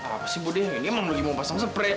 apa sih bu deh ini emang lagi mau pasang spray